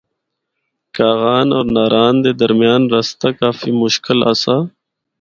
کاغان اور ناران دے درمیان رستہ مشکل آسا۔